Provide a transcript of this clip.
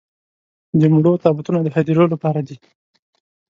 د مړو تابوتونه د هديرو لپاره دي.